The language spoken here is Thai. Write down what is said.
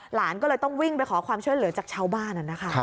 หลานก็เลยต้องวิ่งไปขอความช่วยเหลือจากชาวบ้านนะคะ